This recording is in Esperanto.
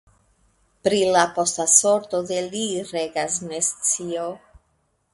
Pri la posta sorto de li regas nescio.